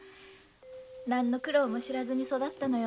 何の苦労も知らずに育ったのよ。